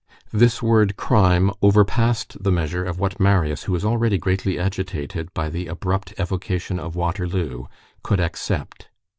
This word crime overpassed the measure of what Marius, who was already greatly agitated by the abrupt evocation of Waterloo, could accept.